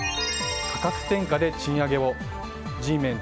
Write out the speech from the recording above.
価格転嫁で賃上げをＧメン